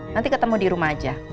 nanti ketemu di rumah aja